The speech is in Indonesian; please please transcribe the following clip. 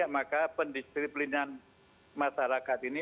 maka pendisiplinan masyarakat ini